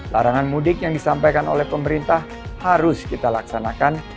larangan mudik yang disampaikan oleh pemerintah harus kita laksanakan